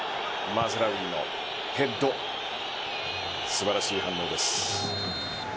マズラウィのヘッド素晴らしい反応です。